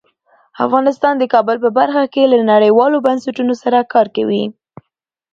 افغانستان د کابل په برخه کې له نړیوالو بنسټونو سره کار کوي.